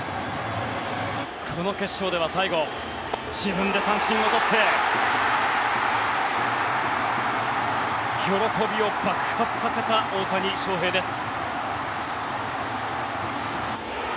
この決勝では最後自分で三振を取って喜びを爆発させた大谷翔平です。